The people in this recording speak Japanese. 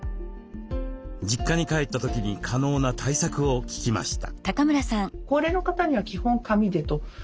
実家に帰った時に可能な対策を聞きました。